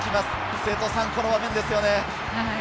せとさん、この場面ですね。